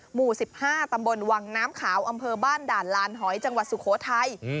หมู่๑๕ตำบลวังน้ำขาวอำเภอบ้านด่านลานหอยจังหวัดสุโขทัย